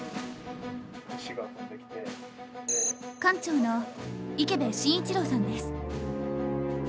館長の池辺伸一郎さんです。